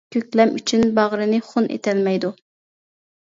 كۆكلەم ئۈچۈن باغرىنى خۇن ئېتەلمەيدۇ.